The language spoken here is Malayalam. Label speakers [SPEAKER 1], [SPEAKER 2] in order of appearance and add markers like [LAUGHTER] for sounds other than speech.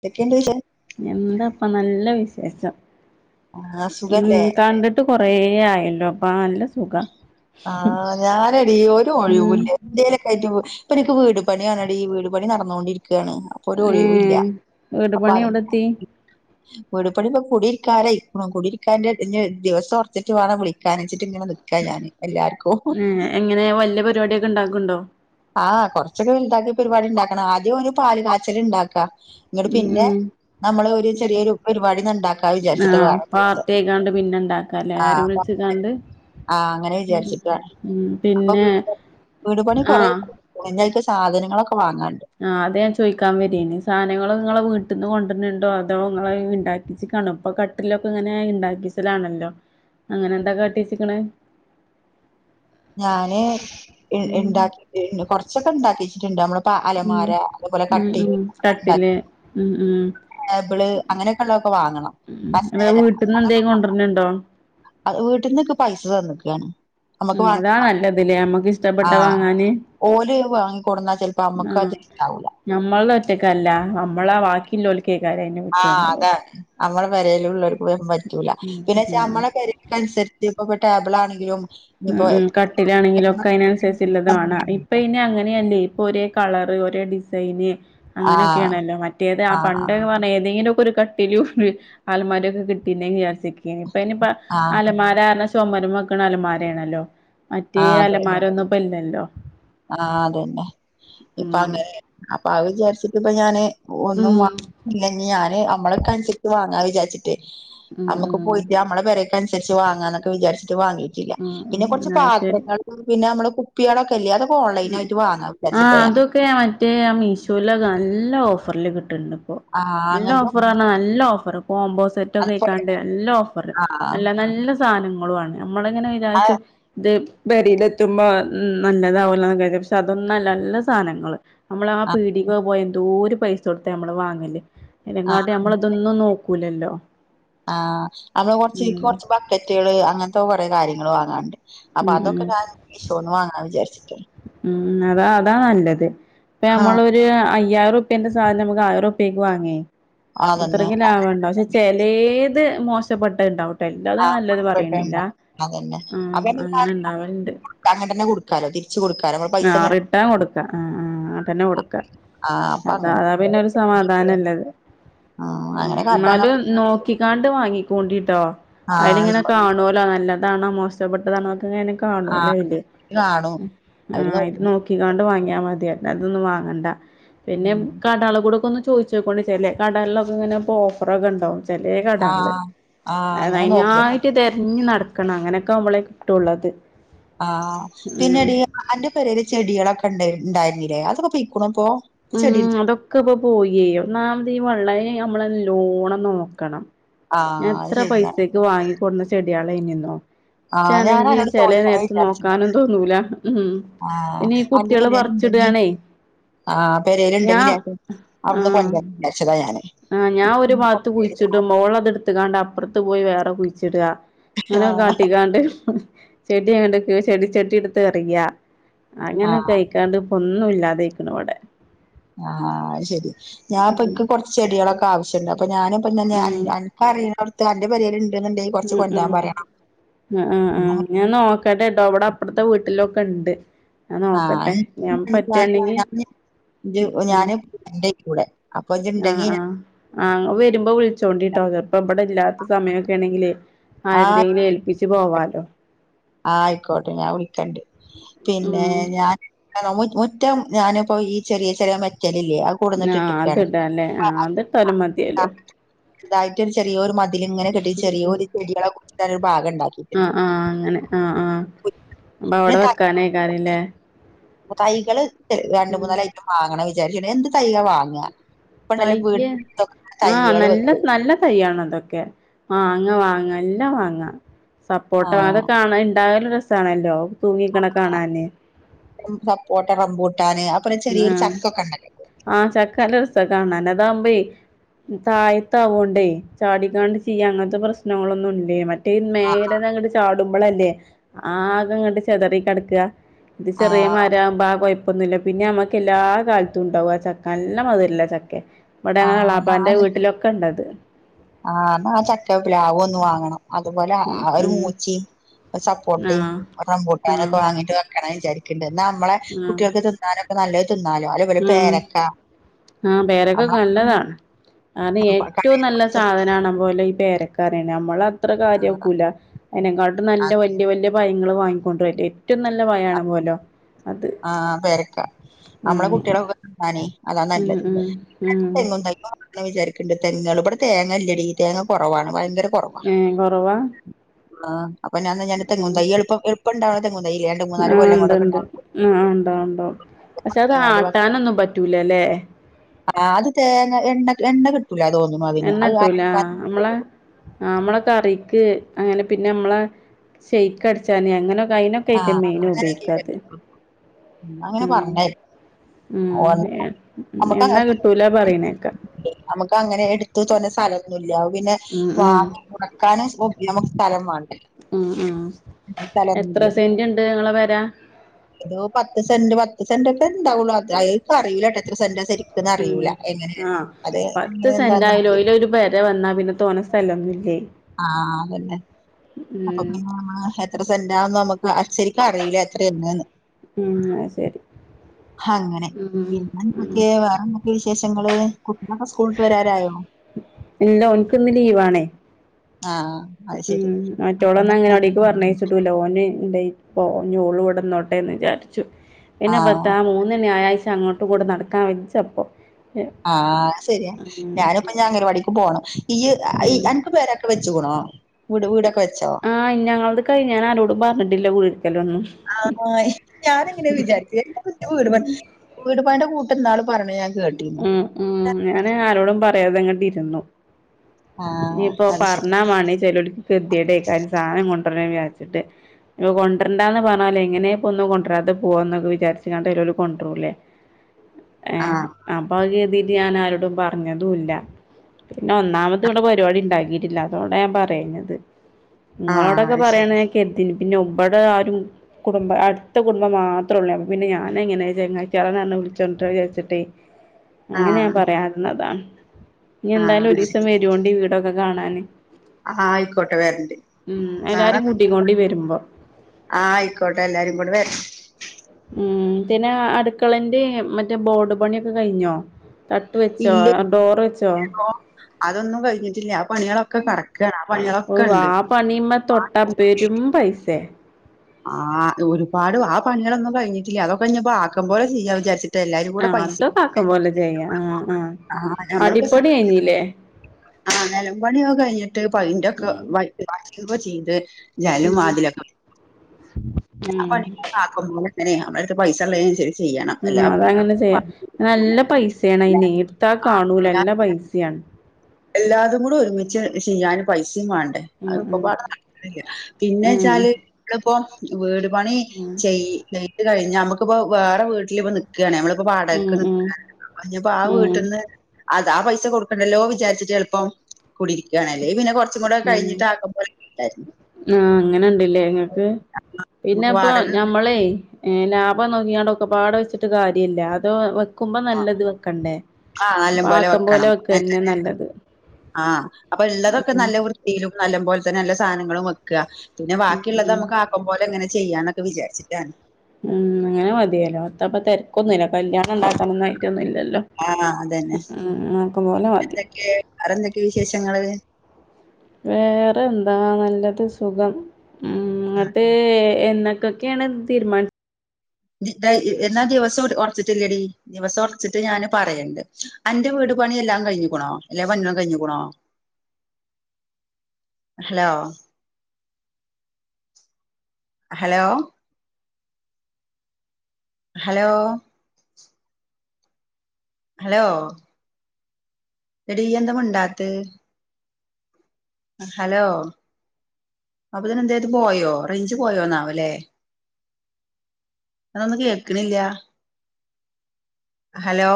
[SPEAKER 1] എന്തൊക്കെയുണ്ട് വിശേ
[SPEAKER 2] എന്താപ്പ നല്ല വിശേഷം
[SPEAKER 1] ആ
[SPEAKER 2] മ്മ്
[SPEAKER 1] സുഖല്ലേ
[SPEAKER 2] കണ്ടിട്ട് കൊറേ ആയല്ലോപ്പാല്
[SPEAKER 1] ആ ഞാന് എടീ ഒരു
[SPEAKER 2] ഉം
[SPEAKER 1] ഒഴിവുല്ലേ എന്ത്യെ [UNINTELLIGIBLE] ഇപ്പൊ വീട് പണിയാണേടീ വീട് പണി നടന്നോണ്ടിരി ക്കാണ് അപ്പൊര്
[SPEAKER 2] ഏ
[SPEAKER 1] ഒഴിവ്ല്ലാ
[SPEAKER 2] വീട്
[SPEAKER 1] അപ്പൊ
[SPEAKER 2] പണി
[SPEAKER 1] അതി
[SPEAKER 2] എവിടെത്തി
[SPEAKER 1] വീട്പ്പണിപ്പൊ കുടിരിക്കാനയ്ക്ക്ണു കുടിരിക്കാന്റെതിന് ദിവസം ഒറച്ചിട്ട് വേണം വിളിക്കാനേച്ചിട്ട് ഇങ്ങനെ നി ക്കാ ഞാന് എല്ലാർക്കും
[SPEAKER 2] ഏ എങ്ങനെ വല്യ പരിപാടിയൊക്കെ ഉണ്ടാക്ക്ണ്ടോ
[SPEAKER 1] ആഹ് കൊറച്ചൊക്കെ വല്താക്കി പരിപാടിണ്ടാക്കണം ആദ്യം ഒര് പാല് കാച്ചല്ണ്ടാക്കാ
[SPEAKER 2] ഉം ഉം
[SPEAKER 1] ചെറിയൊരു പരിപാടി ഇണ്ടാക്കാ
[SPEAKER 2] ആ
[SPEAKER 1] വിചാരിച്ചിട്ടാ വേറെ ദിവസം
[SPEAKER 2] പാർട്ട്യയിക്കാണ്ട് പിന്നെണ്ടാക്കല്ലേ
[SPEAKER 1] ആ
[SPEAKER 2] ആര്യം വിളി
[SPEAKER 1] അപ്പൊ-
[SPEAKER 2] ച്ച്ക്കാണ്ട്
[SPEAKER 1] ആ അങ്ങനെ വിചാരിച്ചിട്ടാ അപ്പൊ
[SPEAKER 2] പിന്നെ
[SPEAKER 1] വീട് പണി വീട് പണി കുറെ
[SPEAKER 2] ആഹ്
[SPEAKER 1] [INAUDIBLE] ഇഞ്ഞയിക്ക് സാധനങ്ങളൊ
[SPEAKER 2] ആഹ് അത് ഞാൻ ചോയിക്കാ വരേനി സാധനങ്ങള് ഇങ്ങളെ വി ട്ട്ന്ന് കൊണ്ടര്ന്ണ്ടോ അതോ ഇങ്ങള് ഇണ്ടാക്കിച്ചക്കാണോ ഇപ്പൊ കട്ടിലൊക്കെങ്ങനെ ഇണ്ടാക്കിച്ചലാണല്ലോ അങ്ങനെന്താ കാട്ടിച്ച്ക്ക്ണേ
[SPEAKER 1] ഞാന് ഇ
[SPEAKER 2] ഉം
[SPEAKER 1] ഇണ്ടാ കൊറച്ചൊക്കെ ഇണ്ടാക്കിച്ചിട്ട്ണ്ട് നമ്മളെ ഇപ്പ
[SPEAKER 2] ഉം
[SPEAKER 1] അലമാര അതേപോലെ
[SPEAKER 2] ഉം ഉം
[SPEAKER 1] കട്ടില് ടേ
[SPEAKER 2] കട്ടില് ഉം ഉം
[SPEAKER 1] ടേബിള് അങ്ങനെക്കെള്ളതൊക്കെ വാങ്ങണം
[SPEAKER 2] ഉം അതെ
[SPEAKER 1] കസേര
[SPEAKER 2] വീട്ടിന്ന്
[SPEAKER 1] അതൊക്കെ
[SPEAKER 2] എന്തേലും
[SPEAKER 1] വാങ്ങണം
[SPEAKER 2] കൊണ്ടര്ന്ണ്ടോ?
[SPEAKER 1] അത് വീട്ട്ന്നൊക്കെ പൈസ തന്ന്ക്ക്ണ്‌
[SPEAKER 2] ഉം അതാണ്‌ നല്ലത്ല്ലേ നമ്മക്ക് ഇഷ്ടപ്പെട്ട
[SPEAKER 1] ആഹ്
[SPEAKER 2] വാങ്ങാന്
[SPEAKER 1] ഓല് വാങ്ങിക്കൊടുന്നാ ചിലപ്പോ നമ്മക്കത് ഇഷ്ടാവൂല
[SPEAKER 2] ഒറ്റക്കല്ലാ നമ്മളവാക്കില്ലോല്
[SPEAKER 1] ആഹ് അതാ നമ്മളെ പെരെലുള്ളവർക്ക് പോലും പറ്റൂല
[SPEAKER 2] ഉം
[SPEAKER 1] പിന്നെച്ചാ
[SPEAKER 2] ആഹ്
[SPEAKER 1] നമ്മളെ പെരക്കാന്സരിച്ച് ഇപ്പവ ടേബിളാണെങ്കിലും
[SPEAKER 2] ഉം
[SPEAKER 1] ഇനിപ്പോ
[SPEAKER 2] ഉം കട്ടിലാണെങ്കിലോക്കെ അയിനനുസരിച്ച്ള്ളത് വാണ ഇപ്പയിന് അങ്ങനെല്ലേ ഇപ്പൊ ഒരേ കളർ ഒരേ ഡിസൈന്
[SPEAKER 1] ആഹ്
[SPEAKER 2] അങ്ങനെക്കെയാണല്ലോ മറ്റേത് ആ
[SPEAKER 1] ആഹ്
[SPEAKER 2] പണ്ടന്ന്പറഞ്ഞാ ഏതെലും ഒരു കട്ടിലും ഒര് അലമാരൊക്കെ കിട്ടീനേങ്കി വിചാരിച്ച്ക്കേനി ഇപ്പയിന്
[SPEAKER 1] ആഹ്
[SPEAKER 2] അലമാരറഞ്ഞാ ചോമര്മ്മേ വെക്ക്ണ അലമാരാണല്ലോ മറ്റേ അലമാരൊന്നും ഇപ്പല്ലല്ലോ
[SPEAKER 1] ആ അതന്നെ ഇപ്പ അങ്ങനെ അപ്പൊ അത് വിചാരിച്ചിട്ട് ഇപ്പ ഞാന് ഒന്നും
[SPEAKER 2] ഉം
[SPEAKER 1] വങ്ങില്ല ഇനി ഞാന് നമ്മളൊക്കെന്സരിച്ച് വാങ്ങാ വിചാ രിച്ച്
[SPEAKER 2] ഉം
[SPEAKER 1] നമക്ക്
[SPEAKER 2] ഉം
[SPEAKER 1] പോയിട്ട് നമ്മളെ പെരേക്കന്സരിച്ച് വാങ്ങാന്നൊക്കെ വിചാ രിച്ച് വാങ്ങീയിട്ടില്ല
[SPEAKER 2] ഉം ഉം
[SPEAKER 1] പിന്നെ കൊറച്ച്
[SPEAKER 2] അത് ശരി
[SPEAKER 1] പാത്രങ്ങൾ പിന്നെമ്മളെ കുപ്പിയാളോക്കെല്ലേ അതോ
[SPEAKER 2] മ്മ് മ്മ് ആ അതൊക്കെ മറ്റേ മീഷോല് നല്ല ഓഫറ്ല് കിട്ട്ണ്ട് പ്പോ
[SPEAKER 1] ആഹ്
[SPEAKER 2] നല്ല
[SPEAKER 1] അങ്ങനത്തെ
[SPEAKER 2] ഓഫറാണ് നല്ല ഓഫർ കോംബോ സെറ്റൊക്കെ
[SPEAKER 1] അതുപോലെ
[SPEAKER 2] ആയിക്കാണ്ട് നല്ല ഓഫർ
[SPEAKER 1] ആഹ്
[SPEAKER 2] നല്ല നല്ല സാധനങ്ങളും ആണ് നമ്മളിങ്ങനെ വിചാരിച്ചു
[SPEAKER 1] ആഹ്
[SPEAKER 2] ഇത് പേരീല്ലെത്തുമ്പോ നല്ലതാവോ [UNINTELLIGIBLE] പക്ഷെ അതൊന്നുല്ല നല്ല സാധനങ്ങള് നമ്മള് ആ
[SPEAKER 1] ആഹ്
[SPEAKER 2] പീടീകൊക്കെ പോയ ന്തോര് പൈസോട്ത്താ നമ്മള് വാങ്ങല് ആയിനെക്കാട്ടി നമ്മള് ഇതൊന്നും നോക്കൂലല്ലോ
[SPEAKER 1] ആ നമ്മള് കൊറച്ച് ഇന്ക്ക്
[SPEAKER 2] ഉം
[SPEAKER 1] കൊറച്ച് ബക്കറ്റേള് അങ്ങനത്തെ കുറെ കാര്യങ്ങൾ വാങ്ങാണ്ട് അപ്പൊ
[SPEAKER 2] ഉം
[SPEAKER 1] അതൊക്കെ
[SPEAKER 2] ഉം
[SPEAKER 1] ഞാന് മീഷോന്ന് വാങ്ങാന്ന് വിചാരിച്ച്
[SPEAKER 2] മ്മ് അതാ അതാ നല്ലത്
[SPEAKER 1] ആഹ്
[SPEAKER 2] ഇപ്പമ്മളൊരു ഐ യ്യായിരറുപ്യന്റെ സാധനം നമ്മക്ക് ആയിരറുപ്യയ്ക്ക് വാങ്ങേ
[SPEAKER 1] അതന്നെ
[SPEAKER 2] അത്രക്ക് ലാഭണ്ടാവും പക്ഷെ ചേലേത് മോശപ്പെട്ടണ്ടാവും
[SPEAKER 1] ആ
[SPEAKER 2] എല്ലതും നല്ലത് പറണില്ല
[SPEAKER 1] പുൽപെട്ടണ്ടാവും
[SPEAKER 2] ആ അങ്ങനെണ്ടാവല്ണ്ട്
[SPEAKER 1] അങ്ങട്ടെന്നെ കൊട്ക്കാലോ തിരിച്ച് കൊട്
[SPEAKER 2] ആ റിട്ടേൺ കൊട്ക്ക ആ ആ ആട്ടെന്നെ കൊട്ക്ക
[SPEAKER 1] ആ അപ്പൊ
[SPEAKER 2] അതാ
[SPEAKER 1] അങ്ങനെ
[SPEAKER 2] അതാ പിന്നോരു സമാധാനല്ലത്
[SPEAKER 1] ആ
[SPEAKER 2] ഉം
[SPEAKER 1] അങ്ങനെ കാട്ടാന്ന
[SPEAKER 2] ന്നാലും നോക്കിക്കാണ്ട് വാങ്ങ് ങ്ങിക്കൊണ്ടിട്ടോ
[SPEAKER 1] ആ
[SPEAKER 2] അയിലിങ്ങനെ
[SPEAKER 1] ആയിക്കോട്ടെ
[SPEAKER 2] കാണോല്ലോ നല്ലതാണോ മോശപ്പെട്ടതാണോ ങ്ങനെ
[SPEAKER 1] ആ
[SPEAKER 2] കാണല്ലോയില്
[SPEAKER 1] അവര് കാണും
[SPEAKER 2] ആ അയില് നോക്കി കണ്ടു വാങ്ങിയാൽ മതി അതൊന്നും വാങ്ങണ്ട പിന്നെ [UNINTELLIGIBLE] ചോദിച്ചോക്കൊണ്ട് ചല്ലേ കടലിലൊക്കെ ഇങ്ങെ ഇപ്പോഓഫർ ഉണ്ടാവുന്നു ചില
[SPEAKER 1] ആ
[SPEAKER 2] കടകള്
[SPEAKER 1] ആ അങ്ങനെ നോക്കിയോക്കണം
[SPEAKER 2] അതിനതിനായിട്ട് തെരഞ്ഞു നട- നടക്കണം അങ്ങനൊക്കെ നമ്മളെ കിട്ടുള്ളത്
[SPEAKER 1] ആഹ
[SPEAKER 2] ഉം
[SPEAKER 1] പിന്നെടി ആന്റെ പേരൽ ചെടികളൊക്കെ ഇണ്ട ഉണ്ടായിരുന്നില്ലേ അതൊക്കെ വിക്കണ ഇപ്പോ
[SPEAKER 2] ഉം അതൊക്കെ ഇപ്പ പോയോ ഒന്നാമത് വള്ള നമ്മളെ ലോണം നോക്കണം
[SPEAKER 1] ആ അത്
[SPEAKER 2] എത്ര
[SPEAKER 1] ശരിയാ
[SPEAKER 2] പൈസക്ക് വാങ്ങിക്കൊടുുന്ന ചെടികള ഇനിന്നോ
[SPEAKER 1] ആ ഞാൻ
[SPEAKER 2] ഇച്ചാണെങ്കി
[SPEAKER 1] അന്നോട്
[SPEAKER 2] ചെല
[SPEAKER 1] ചോദിക്കണം
[SPEAKER 2] നേരത്ത്
[SPEAKER 1] വിചാരിച്ചു
[SPEAKER 2] നോക്കാനും തോന്നൂല ഉ-
[SPEAKER 1] ആ
[SPEAKER 2] പിന്നെ ഈ കുട്ടികള് പറച്ചിടയാണേ
[SPEAKER 1] ആഹ പെരേൽ ഉണ്ടെങ്കില അവിടുന്ന്
[SPEAKER 2] ആഹ്
[SPEAKER 1] കൊണ്ടുവരാമെന്നു വിചാരിച്ചതാ ഞാന്
[SPEAKER 2] ആഹ് ഞാൻ ഒരു ഭാഗത്ത് കുഴിച്ചിടും മോൾ അത് എടുത്തക്കാണ്ട് അപ്പുറത്ത് പോയി വേറെ കുഴിച്ചിടുക അങ്ങനെ
[SPEAKER 1] ആ
[SPEAKER 2] കാട്ടിക്കാണ്ട് ചെടി എടുത്തു ചെടിചെട്ടിയ എടുത്ത് എറിയാ അങ്ങനെെ
[SPEAKER 1] ആഹ്
[SPEAKER 2] കഴക്കാണ്ട് ഇപ്പൊ ഒന്നും ഇല്ലാതെ ഇക്കണ അവിടെ
[SPEAKER 1] ആഹ ശരി ഞാൻപ്പക്ക് കൊറച്ച് ചെടികളൊക്കെ ആവശ്യണ്ട- അപ്പൊ ഞാനിപ്പന്നെ
[SPEAKER 2] ഉം
[SPEAKER 1] എനക്കറുന്നടത്ത് അന്റെ പെരേൽ
[SPEAKER 2] ഉം ഉം ഉ ഉ ആ് ഞാൻ നോക്കട്ടെ ട്ടോ അവിടെ അപ്പറത്തെ വീട്ടിലൊക്കെ- ഇണ്ട്
[SPEAKER 1] ആ്
[SPEAKER 2] ഉം
[SPEAKER 1] ഞാന [UNINTELLIGIBLE] കൂടെ അപ്പൊ
[SPEAKER 2] ആഹ്
[SPEAKER 1] ഇജ്ണ്ടെങ്കി
[SPEAKER 2] ആ ആ വരുമ്പോ വിളിച്ചോണ്ടിട്ടോ ഇവിടെ ഇല്ലാത്ത സമയമൊക്കെ ആണെങ്കില്- ആരുടെങ്കിലും ഏൽപ്പിച്ചച്ച് പോവാാലോ
[SPEAKER 1] ആ ആയിക്കോട്ടെ ഞാൻ വിളിക്കണ്ട് പിന്നെ
[SPEAKER 2] ഉം
[SPEAKER 1] ഞാൻ മുറ്റം ഞാനിപ്പോ ഈ ചെറിയ ചെറിയ- ല്ലേ ആ കൂടന്നിട്ട്
[SPEAKER 2] ആഹ്
[SPEAKER 1] ഇട്ടിട്ടാണ്
[SPEAKER 2] അതിടാല്ലേ ആഹ് അതിട്ടാലും
[SPEAKER 1] [UNINTELLIGIBLE]
[SPEAKER 2] മതിയല്ലോ
[SPEAKER 1] ഇതായിട്ടൊ ഒരു ചെറിയൊരു മതില ഇങ്ങനെ കിട്ടി ചെറിയൊ ഒരു ചെടികളെ കുറിച്ച ഒരു ഭാഗം ഉണ്ടാക്കിയിട്ടുണ്ട്
[SPEAKER 2] ആഹ് ആഹ് അങ്ങനെ ആഹ് ആഹ് അപ്പൊ അവിടെ വെക്കാനേക്കാറില്ലേ
[SPEAKER 1] തൈകള് രണ്ട മൂന്നാലായിട്ടും വാങ്ങണ വിചാരിച്ച എന്ത് തൈയാ വാങ്ങുവാ
[SPEAKER 2] തൈയ് ആഹ നല്ല
[SPEAKER 1] വെക്കും
[SPEAKER 2] നല്ല തൈയാണ് അതൊക്കെ ആങ് വാങ്ങ- നല്ല വാങ്ങ സപ്പോർട്ടോ അതൊ
[SPEAKER 1] ആഹ്
[SPEAKER 2] കാണ ഇണ്ടാക രസമാണല്ലോ തൂങ്ങിക്കണ കാണന്നെ
[SPEAKER 1] സപ്പോട്ട റമ്പൂട്ടാൻ അപ്പം ചെറിയൊരു
[SPEAKER 2] ആഹ്
[SPEAKER 1] ചക്കൊക്കെ ഉണ്ടല്ലോ
[SPEAKER 2] ആഹ് ചക്കൻന്റെ രസമാ കാണാന് അതാകുമ്പളെ - താഴത്ത ആവണ്ടേ ചാടിക്കാണ്ട് ചെയ്യ അങ്ങനത്തെ പ്രശ്നങ്ങളൊന്നും ഇല്ലേ മറ്റേ-
[SPEAKER 1] ആഹ്
[SPEAKER 2] മേലന്ന അങ്ങട്ട് ചാടുമ്പോളല്ലേ ആകെ അങ്ങോട്ട് ചെതറി കിടക്കുക ഇത് ചെറിയ
[SPEAKER 1] ആഹ്
[SPEAKER 2] മരകുമ്പാ ആ കുഴപ്പൊന്നില്ല പിന്നെ നമ്മക്ക് എല്ലാ കാലത്തും- ഉണ്ടാവുക ചക്ക നല്ലാമധുരമുള്ള ചക്ക ഇവിടെ അങ്ങനെ ഉള്ളാപ്പാന്റെ വീട്ടിലൊക്കെ ഉണ്ടത്
[SPEAKER 1] ആ ആ ചക്ക പി്ലാവ ഒന്ന് വാങ്ങണം അതുപോലെ
[SPEAKER 2] ഉം ഉം
[SPEAKER 1] മൂച്ചി സപ്പോട്ടേയും
[SPEAKER 2] ആഹ് ആഹ്
[SPEAKER 1] റംബോട്ടാനൊക്കെ വാങ്ങിട്ട് വെക്ക വിചാരിക്കണ്ട് എന്നാ നമ്മളെ
[SPEAKER 2] ആഹ്
[SPEAKER 1] കുട്ടികൾക്ക് തിന്നാനും
[SPEAKER 2] ഉം ആഹ പേരക്കെ
[SPEAKER 1] നമ്മളെ
[SPEAKER 2] നല്ലതാണ് അ ഏറ്റവും നല്ല സാധനം ആണ പോലെ ഈ പേരക്കറാണ് നമ്മള- അത്ര കാര്യം ആക്കൂല്ല അതിനെക്കാട്ടും നല്ല
[SPEAKER 1] ആഹ്
[SPEAKER 2] വലയ വല്യ പഴങ്ങൾ വാങ്ങിക്കൊണ്ടരല്ലേ ഏറ്റവും നല്ല പഴാണ് പോലും അത് ഉ
[SPEAKER 1] അതണേ അതാ നല്ലത് -
[SPEAKER 2] ഉം
[SPEAKER 1] വിചാരിക്കണ്ട് ഇവിടെ തേങ്ങ ഇല്ലടി തേങ്ങ കുറവാണ് ഭയങ്കര- കൊറവാ
[SPEAKER 2] ഏ കുറവാ
[SPEAKER 1] ആഹ് അപ്പോ ഞാൻ തെങ്ങന്തായി എളുപ്പ എുപ്പംണ്ടാവുന്ന തേങ്ങും
[SPEAKER 2] ആഹ് ഇണ്ട് ഉണ്ട് ആ ഉണ്ടാവും ഉണ്ടോ പക്ഷെ ആട്ടാനൊന്നും പറ്റൂലല്ലേ
[SPEAKER 1] ആ അത് തേങ്ങ എണ്ണ എണ്ണ കിട്ട -
[SPEAKER 2] എണ്ണട്ടുംല നമ്മളെ ആ നമ്മളൊക്കെറി- അങ്ങനെ പിന്നെ നമ്മളെ ഷെയ്ക് അടിച്ചാന് അങ്ങനെ- കൈനൊക്കെ ആയിട്ട്
[SPEAKER 1] ആഹ്
[SPEAKER 2] മെയിനും
[SPEAKER 1] അങ്ങനെയൊക്കെ
[SPEAKER 2] ഉപയോഗിക്കത്
[SPEAKER 1] പറ്റുള്ളൂ. അങ്ങനെ പറഞ്ഞേ
[SPEAKER 2] ഉം എ എണ്ണ
[SPEAKER 1] അങ്ങനെ
[SPEAKER 2] കിട്ടൂല പറയനേക്കാ
[SPEAKER 1] നമുക്ക് അങ്ങനെ എടുത്തു തോനെ സ്ഥല- പിന്നെ
[SPEAKER 2] ഉം ഉം
[SPEAKER 1] വാഹനം വയ്ക്കാൻ നമുക്ക് സ്ഥലം വേണം
[SPEAKER 2] ഉം ഉം എത്ര
[SPEAKER 1] സ്ഥലമില്ല
[SPEAKER 2] സെന്റ് ഉണ്ട് നിങ്ങളെ പെര
[SPEAKER 1] ഓ പത്ത് സെന്റ് പ- പത്ത് സെൻ്റൊക്കെണ്ടാവുള്ളൂ അക്ക അറിയില്ലട്ടോ എത്ര സെന്റ -
[SPEAKER 2] ആ പത്ത്
[SPEAKER 1] ഇങ്ങനെ എന്താന്ന്
[SPEAKER 2] സെൻ്റായാലോ
[SPEAKER 1] അറിയില്ല
[SPEAKER 2] അതിലു ഒരു പെര വന്നാ പിന്നെ തോനെ സ്ഥലം ഒന്നുല്ലേ
[SPEAKER 1] ആ അതല്ലെ അപ്പൊ പിന്നെ നമ്മള എത്ര സെൻ്റാന്ന് നമുക്ക്- അത് ശരിക്കും അറിയില്ല എത്ര ഉണ്ടെന്ന്
[SPEAKER 2] ഉം അത് ശരി
[SPEAKER 1] അങ്ങനെ
[SPEAKER 2] ഉം ഉം
[SPEAKER 1] പിന്നെന്തൊക്കെ വേറെന്തൊക്കെ വിശേഷങ്ങള് കുട്ടികളൊക്കെ സ്കൂള് വരാരായോ
[SPEAKER 2] ഇല്ല ഓല്ക്ക്ന്ന് ലീവാണേ
[SPEAKER 1] ആഹ് അത് ശരി
[SPEAKER 2] ഉം മറ്റോളന്ന് അങ്ങനെവാടിക്ക് പറഞ്ഞച്ചിട്ടൂല ഓന് ടെ- പിന്നെ ഓൾ വിടന്നോട്ടെന്ന് വിചാരിച്ചു പിന്നെ
[SPEAKER 1] ആഹ്
[SPEAKER 2] പത്താ മൂന്ന് ഞായാഴ്ച അങ്ങോട്ടും ഇങ്ങോട്ടും നടക്കാൻ വിച്ചപ്പോ-
[SPEAKER 1] ആ ശരിയാ ഞാനിപ്പോ അങ്ങനവാടിക്ക് പോകണം ഈയ് അയ്
[SPEAKER 2] ഉം
[SPEAKER 1] അനക്ക് പേരൊക്കെ വെച്ചുകൂണോ
[SPEAKER 2] ആഹ് ഞങ്ങളത് കഴിഞ്ഞ് ഞാൻ ആരോടും പറഞ്ഞിട്ടില്ല വീ-
[SPEAKER 1] ആ ഞാനും എങ്ങനെയ വിചാരിച്ചു എന്താപ വീട് വീട്പ കൂട്ടം -
[SPEAKER 2] ഉം ഉം ഞാൻ ആരോടും പറയാതെങ്ങോട്ടിരുന്നു
[SPEAKER 1] ആഹ്
[SPEAKER 2] നീയിപ്പോ
[SPEAKER 1] അത് ശരി
[SPEAKER 2] പറഞ്ഞാൽ മണീ ചെലോടി കതിട [UNINTELLIGIBLE] കാര്യം സാധനം കൊണ്ടര വി- കൊണ്ടരണ്ടാന്ന് പറഞ്ഞാല് എങ്ങനെ ഇപ്പൊ ഒന്നും കൊണ്ടുവരാതെ പോകന്നൊ വിചാരിച്ച് കാണ്ട് ഓര് കൊണ്ടൂ- ഏ
[SPEAKER 1] ആഹ്
[SPEAKER 2] അപ്പ എഴുതിട്ട് ഞാൻ ആരോടും പറഞ്ഞതുല്ല പിന്നെ ഒന്നാമത് ഇവിടെ പരിപാടി ഉണ്ടാക്കിയിട്ടില്ല അതോടെ ഞാൻ പറയുന്നത്
[SPEAKER 1] ആഹ്
[SPEAKER 2] നിങ്ങളോടൊക്കെ
[SPEAKER 1] അത് ശരി
[SPEAKER 2] പറയണ കതി [UNINTELLIGIBLE] പിന്നെ ഉപ്പാടെ ആ കുടുംബ അടുത്ത കുടുംബം മാത്ര ഉള്ളൂ പിന്നെ ഞാൻ എങ്ങനെയ [UNINTELLIGIBLE] ചങ്ങാചാറ വിളിച്ചണ്ട വിചാരിച്ചിട്ടേ അങ്ങന
[SPEAKER 1] ആഹ്
[SPEAKER 2] ഞാൻ പറയാറുന്നതാണ് എന്തായാലും ഒരു
[SPEAKER 1] ആഹ്
[SPEAKER 2] ദിവസം വരുവോണ്ട് ഈ വീടൊക്കെ കാണാന്
[SPEAKER 1] ആയിക്കോട്ടെ വരണ്ട്
[SPEAKER 2] ഉം
[SPEAKER 1] വേറെ
[SPEAKER 2] എല്ലാരും കൂട്ടിക്കൊണ്ട് വരുമ്പോ
[SPEAKER 1] ആ ആയിക്കോട്ടെ എല്ലാരും ഇങ്ങോട്ട് വര -
[SPEAKER 2] ഉം പിന്നെ അടുക്കളന്റെ മറ്റേ ബോഡ് പണിയൊക്കെ കഴിഞ്ഞോ തട്ട് വെച്ചോ
[SPEAKER 1] ഇല്ല
[SPEAKER 2] ഡോർ വെച്ചോ
[SPEAKER 1] ഇപ്പോ അതൊന്നും കഴിഞ്ഞിട്ടില്ല ആ പണികളൊക്കെ കടക്കയാണ് ആ
[SPEAKER 2] ഓ
[SPEAKER 1] പണികളൊക്കെ ഉണ്ട്
[SPEAKER 2] ഉം പൈസ
[SPEAKER 1] ആ ഒരുപാട് ആ പണികളൊന്നും കഴിഞ്ഞിട്ടില്ല അതൊക്കെ ഇപ്പോ ആക്കം പോലെ ചെയ്യാ വിചാരിച് എല്ലാരും
[SPEAKER 2] ആ
[SPEAKER 1] കൂടെ പൈസ
[SPEAKER 2] അതൊക്കെ ആക്കം പോലെ ചെയ്യാം ആ
[SPEAKER 1] ആ നമ്മളിപ്പോ-
[SPEAKER 2] അടിപൊളി കഴിഞ്ഞില്ലേ
[SPEAKER 1] ആ നെലം പണിയൊക്കെ കഴിഞ്ഞിട്ട് പൈന്റെക്കെ ബാക്കിയൊക്കെ ചെയ്ത് ജനലും
[SPEAKER 2] ഉം
[SPEAKER 1] വാതിലൊക്കെ ഞാൻ
[SPEAKER 2] ഉം
[SPEAKER 1] പണിക്ക് ആക്കംപോലെ- നേ നമ്മളടുത്ത് പൈസ ഉള്ളേ ശരി
[SPEAKER 2] ആ അത അങ്ങനെ ചെയ്യാം നല്ല പൈസയാണ് അയിനേ
[SPEAKER 1] പിന്നെ
[SPEAKER 2] ഇട്ത്ത കാണൂല എല്ല പൈസയാണ്
[SPEAKER 1] എല്ലാതും കൂടെ ഒരുമിച്ച് ചെയ്യാന് പൈസ പൈസ മാണ്ടേ അത്
[SPEAKER 2] ഉം ഉം
[SPEAKER 1] ഒക്കെപ്പടെ നടക്കുന്നില്ല പിന്നെ
[SPEAKER 2] ഉം
[SPEAKER 1] വെച്ചാല്മ്മപ്പോ വീട്- പണി ചെയ് ചെയ്ത് കഴിഞ്ഞ നമുക്കിപ്പ വേറെ വീട്ടിലിപ്പ നിക്കുകയാാണ് നമ്മള്-
[SPEAKER 2] ഉം
[SPEAKER 1] വാടകക്ക്
[SPEAKER 2] ഉം
[SPEAKER 1] നിക്കാണ് ആ
[SPEAKER 2] ഉം
[SPEAKER 1] വീട്ടിൽന്ന് അതാ പൈസ കൊടുക്കണ്ടല്ലോ വിചാ- എളുപ്പം കൂടിരിക്കുകയാണല്ലേ പിന്നെ കുറച്ചും കൂടെ കഴിഞ്ഞിട്ട് ആക്കുമ്പലായിരുന്നു
[SPEAKER 2] ആഹ അങ്ങനെ ഇണ്ടല്ലേ നിങ്ങക്ക് പിന്നെ
[SPEAKER 1] നമുക്ക്
[SPEAKER 2] ഇപ്പൊ
[SPEAKER 1] വാടക
[SPEAKER 2] ഞമ്മളെ- ഏ ലാഭം നോക്കിാടൊക്കെ പാട വെച്ചിട്ട് കാര്യമില്ല അതോ- വക്കുമ്പോ നല്ലത് വെക്കണ്ടേ
[SPEAKER 1] ആഹ് നല്ലം
[SPEAKER 2] അപ്പൊ ആക്കം പോലെ വെക്കന്നെ നല്ലത്
[SPEAKER 1] ആ അപ്പൊ ഉള്ളതൊക്കെ നല്ല വൃത്തിയിലും നല്ല പോലെ തന്നെ നല്ല സാധനങ്ങളും വെക്ക പിന്നെ
[SPEAKER 2] ഉം
[SPEAKER 1] ബാക്കിയുള്ളള്ളത്
[SPEAKER 2] ഉം
[SPEAKER 1] നമുക്ക് ആക്കപോലെ എങ്ങനെ ചെയ്യാണ് വിചാരിച്ചിട്ടാണ്
[SPEAKER 2] ഉം അങ്ങനെ മതിയല്ലോ അത്തപ്പ തിരക്കൊന്നുമില്ല കല്യാണം ഉണ്ടാക്കണംന്നായിട്ടൊന്നുല്ല
[SPEAKER 1] ആ അതന്നെ
[SPEAKER 2] ആക്കം
[SPEAKER 1] പി
[SPEAKER 2] പോലെ മതി
[SPEAKER 1] എന്തൊക്കെ വേറെ എന്തൊക്കെയ വിശേഷങ്ങള്
[SPEAKER 2] വേറെ എന്താ നല്ലത് സുഖം ഉം ന്നിട്ട് എന്ന ക്കെയാണ് തീരുമാനിച്ചത്
[SPEAKER 1] [UNINTELLIGIBLE] എന്നാ ദിവസം ഉറച്ചിട്ടില്ലടി ദിവസം ഉറച്ചിട്ട് ഞാന് പറയണ്ട് അന്റെ വീട് പണിയെല്ലാം കഴിഞ്ഞിക്കണോ എല്ലാ പണിക്കളും കഴിഞ്ഞിക്കണോ ഹലോ ഹലോ ഹലോ ഹലോ എടി യ് എന്തമുണ്ടാത്ത് ഹലോ അപ്പൊതിന്നെ എന്താറ്റ് പോയോ റേഞ്ച് പോയോന്നാവല്ലേ അ ഒന്നും കേക്കണില്ല ഹലോ